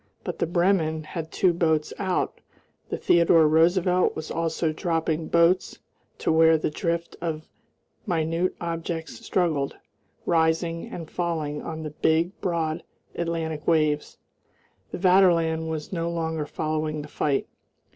But the Bremen had two boats out; the Theodore Roosevelt was also dropping boats to where the drift of minute objects struggled, rising and falling on the big, broad Atlantic waves.... The Vaterland was no longer following the fight.